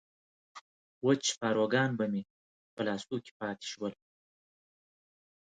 وچ پاروګان به مې په لاسو کې پاتې شول.